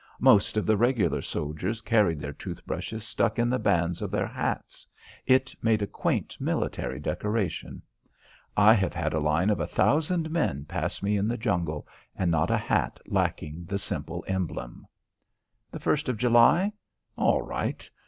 Most of the regular soldiers carried their tooth brushes stuck in the bands of their hats. It made a quaint military decoration. I have had a line of a thousand men pass me in the jungle and not a hat lacking the simple emblem. The first of July? All right.